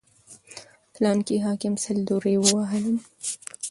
فلاني حاکم سل درې ووهلم.